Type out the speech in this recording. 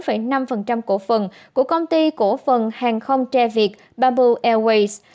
trịnh văn quyết đang sở hữu với năm mươi sáu năm cổ phần của công ty cổ phần hàng không tre việt bamboo airways